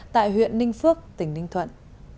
tại huyện ninh phước tỉnh ninh thuận